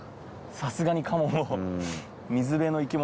さすがにカモも。